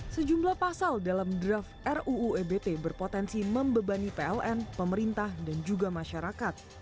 sejumlah pasal dalam draft ruu ebt berpotensi membebani pln pemerintah dan juga masyarakat